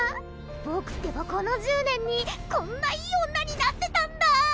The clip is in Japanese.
僕ってばこの１０年にこんないい女になってたんだ。